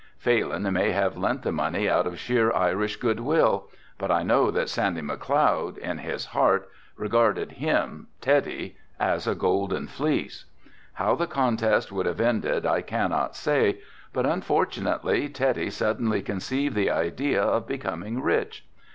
Phalin may have lent the money out of sheer Irish good will but I know that Sandy McLeod, in his heart regarded him, Teddy, as a golden fleece. How the contest would have ended I cannot say, but unfortunately Teddy suddenly conceived the idea of becoming rich.